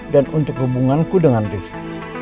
dan untuk hubunganku dengan rifki